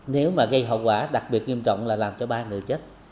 nếu mà gây hậu quả đặc biệt nghiêm trọng là làm cho ba người chết